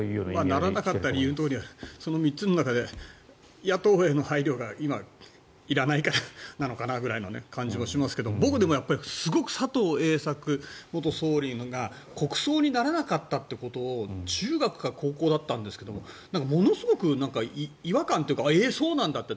ならなかった理由の３つのうち、野党への配慮が今いらないからなのかなぐらいの感じがしますが僕、すごく佐藤栄作元総理が国葬にならなかったってことを中学か高校だったんですがものすごく違和感というかえっ、そうなんだと。